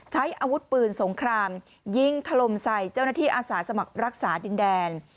ใช้อาวุธปืนสงครามยิงถล่มใส่เจ้าหน้าที่อาสาสมัครรักษาดินแดน